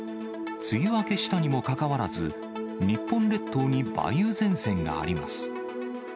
梅雨明けしたにもかかわらず、日本列島に梅雨前線があります。